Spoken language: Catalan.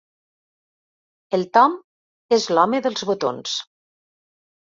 El Tom és l'home dels botons.